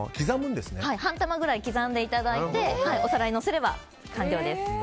半玉くらい刻んでいただいてお皿にのせれば完了です。